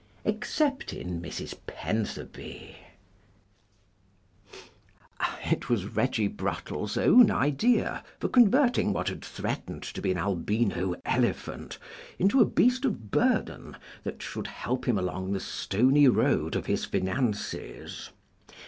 EXCEPTING MRS. PENTHERBY It was Reggie Bruttle's own idea for converting what had threatened to be an albino elephant into a beast of burden that should help him along the stony road of his finances.